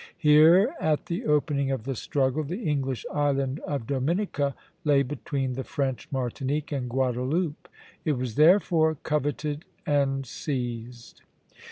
Here, at the opening of the struggle, the English island of Dominica lay between the French Martinique and Guadeloupe; it was therefore coveted and seized.